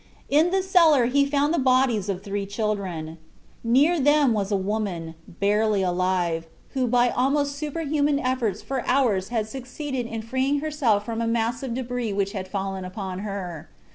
In the cellar he found the bodies of three children. Near them was a woman, barely alive, who by almost superhuman efforts for hours had succeeded in freeing herself from a mass of debris which had fallen upon her.